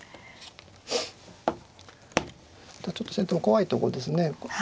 ちょっと先手も怖いとこですね。